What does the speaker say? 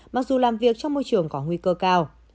mặc dù làm việc trong môi trường có nguy cơ cao